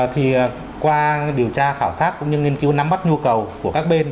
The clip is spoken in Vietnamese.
thì qua điều tra khảo sát cũng như nghiên cứu nắm bắt nhu cầu của các bên